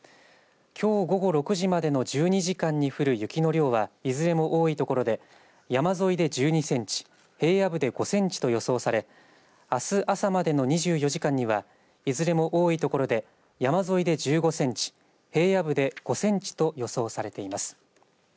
きょう午後６時までの１２時間に降る雪の量はいずれも多い所で山沿いで１２センチ平野部で５センチと予想されあす朝までの２４時間にはいずれも多い所で山沿いで１５センチ平野部で５センチと予想されています。